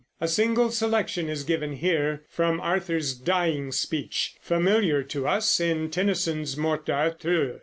A single selection is given here from Arthur's dying speech, familiar to us in Tennyson's Morte d'Arthur.